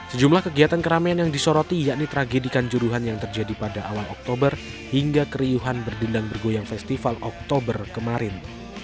sejumlah kegiatan keramaian yang disoroti yakni tragedikan juruhan yang terjadi pada awal oktober hingga keriuhan berdindang bergoyang festival oktober kemarin